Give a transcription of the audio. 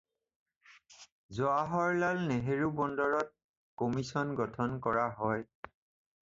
জৱাহৰলাল নেহেৰু বন্দৰত কমিছন গঠন কৰা হয়।